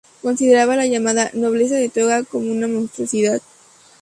Consideraba a la llamada "nobleza de toga" como una monstruosidad.